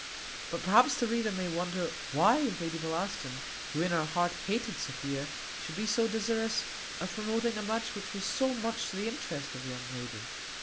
But perhaps the reader may wonder why Lady Bellaston, who in her heart hated Sophia, should be so desirous of promoting a match which was so much to the interest of the young lady.